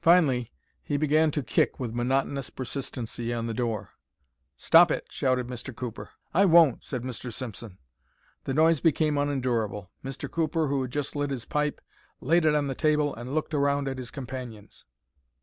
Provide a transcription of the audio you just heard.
Finally he began to kick with monotonous persistency on the door. "Stop it!" shouted Mr. Cooper. "I won't," said Mr. Simpson. The noise became unendurable. Mr. Cooper, who had just lit his pipe, laid it on the table and looked round at his companions.